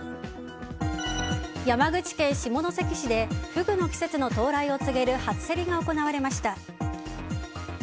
山口県下関市でフグの季節の到来を告げる初競りが行われました。